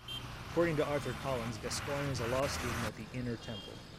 According to Arthur Collins, Gascoigne was a law student at the Inner Temple.